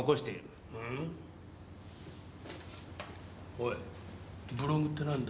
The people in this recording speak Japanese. おいブログって何だ？